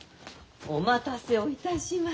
お待たせをいたしまして。